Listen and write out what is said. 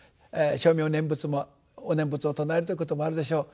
称名念仏もお念仏を称えるということもあるでしょう。